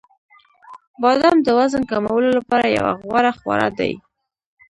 • بادام د وزن کمولو لپاره یو غوره خواړه دي.